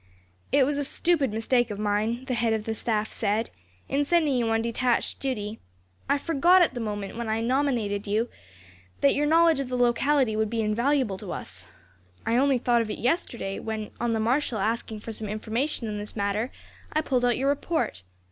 "It was a stupid mistake of mine," the head of the staff said, "in sending you on detached duty. I forgot at the moment, when I nominated you, that your knowledge of the locality would be invaluable to us. I only thought of it yesterday when, on the marshal asking for some information on this matter, I pulled out your report.